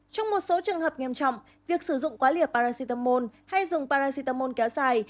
trong một số trường hợp nghiêm trọng việc sử dụng quá liều paracetamol hay dùng paracetamol kéo dài